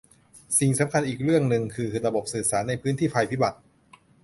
สิ่งสำคัญอีกเรื่องหนึ่งคือระบบสื่อสารในพื้นที่ภัยพิบัติ